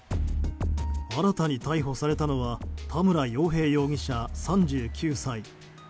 新たに逮捕されたのは田村洋平容疑者、３９歳。